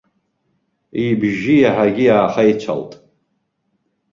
Ибжьы иаҳагьы иаахеицалт.